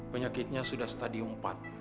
penyakitnya sudah stadium empat